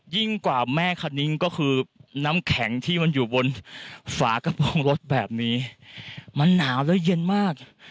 ยิ่งกว่าแม่คณิ้งก็คือน้ำแข็งที่มันอยู่บนฝากระโปรงรถแบบนี้มันหนาวแล้วเย็นมาก